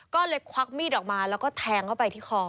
ก็เลยควักมีดออกมาแล้วก็แทงเข้าไปที่คอ